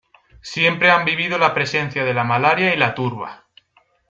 Siempre han vivido la presencia de la malaria y la turba.